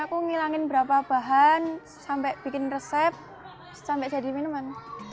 aku ngilangin berapa bahan sampai bikin resep sampai jadi minuman